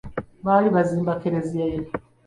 Baali bazimba Klezia ye.